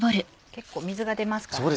結構水が出ますからね。